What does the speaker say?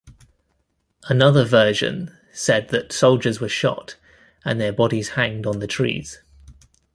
Another version said that soldiers were shot, and their bodies hanged on the trees.